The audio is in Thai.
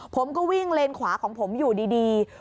ผมก็วิ่งเลนขวาของผมอยู่ดี